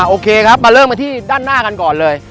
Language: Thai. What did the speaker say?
โอเคครับมาเริ่มกันที่ด้านหน้ากันก่อนเลย